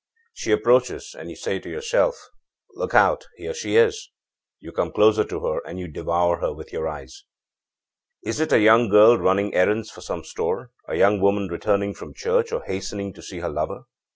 She approaches, and you say to yourself: 'Look out, here she is!' You come closer to her and you devour her with your eyes. âIs it a young girl running errands for some store, a young woman returning from church, or hastening to see her lover?